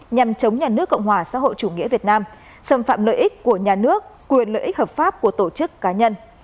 nhằm chống nhà nước cộng hòa xã hội chủ nghĩa việt nam xâm phạm lợi ích của nhà nước quyền lợi ích hợp pháp của tổ chức cá nhân